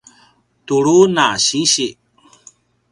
tulu na sinsi